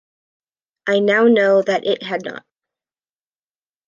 I now know that it had not.